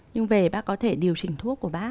nhưng về bác có thể điều chỉnh thuốc của bác